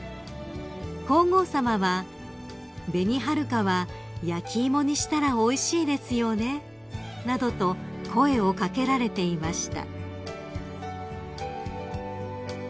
皇后さまは「べにはるかは焼き芋にしたらおいしいですよね」などと声を掛けられていました］